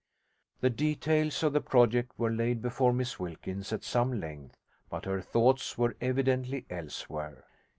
The details of the project were laid before Miss Wilkins at some length; but her thoughts were evidently elsewhere.